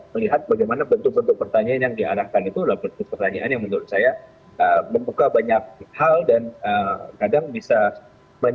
melihat bagaimana bentuk bentuk pertanyaan yang diarahkan itu adalah bentuk pertanyaan yang menurut saya membuka banyak hal dan kadang bisa